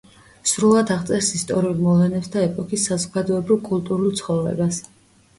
სრულად აღწერს ისტორიულ მოვლენებს და ეპოქის საზოგადოებრივ-კულტურულ ცხოვრებას.